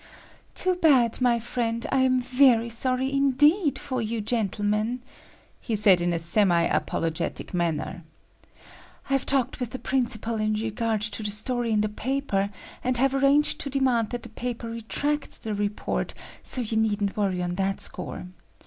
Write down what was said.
"Too bad, my friend; I am very sorry indeed for you gentlemen," he said in a semi apologetic manner. "I've talked with the principal in regard to the story in the paper, and have arranged to demand that the paper retract the report, so you needn't worry on that score.